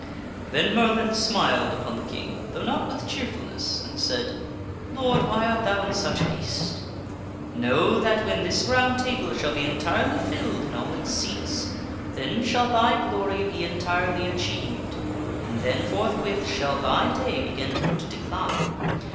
Then Merlin smiled upon the King, though not with cheerfulness, and said, " Lord, why art thou in such haste ? Know that when this Round Table shall be entirely filled in all its seats, then shall thy glory be entirely achieved and then forthwith shall thy day begin for to decline.